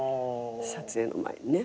撮影の前にね。